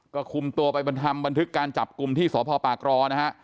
ก็คุมตัวไปบรรทำบันทึกการจับกลุ่มที่สพปากรนะฮะ